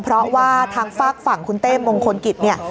เพราะว่าทางฝากฝั่งคุณเต้มงคลกิจเนี่ย